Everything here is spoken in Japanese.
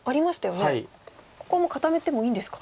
ここはもう固めてもいいんですか。